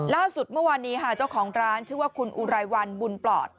ล่าสุดเมื่อวานนี้ค่ะเจ้าของร้านชื่อว่าคุณอุไรวันบุญปลอด